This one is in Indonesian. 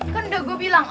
kan udah gue bilang